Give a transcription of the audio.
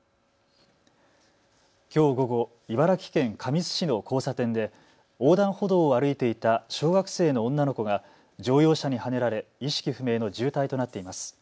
きょう午後、茨城県神栖市の交差点で横断歩道を歩いていた小学生の女の子が乗用車にはねられ意識不明の重体となっています。